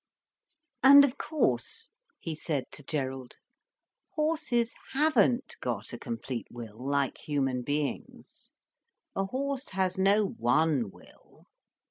"And of course," he said to Gerald, "horses haven't got a complete will, like human beings. A horse has no one will.